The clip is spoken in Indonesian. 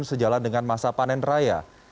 sejalan dengan masa panen raya